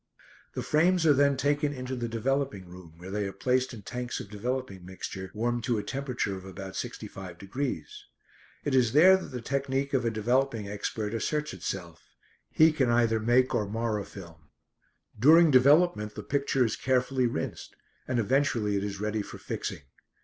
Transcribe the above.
The frames are then taken into the developing room, where they are placed in tanks of developing mixture, warmed to a temperature of about sixty five degrees. It is there that the technique of a developing expert asserts itself; he can either make or mar a film. During development the picture is carefully rinsed, and eventually it is ready for fixing.